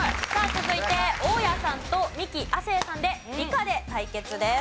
続いて大家さんとミキ亜生さんで理科で対決です。